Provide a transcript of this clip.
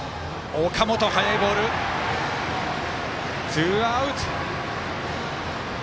ツーアウト。